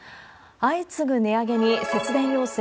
相次ぐ値上げに節電要請。